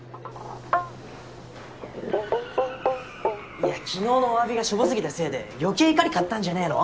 いや昨日のおわびがショボ過ぎたせいで余計怒り買ったんじゃねえの？